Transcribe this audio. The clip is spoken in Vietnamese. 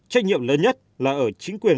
trách nhiệm lớn nhất là ở chính quyền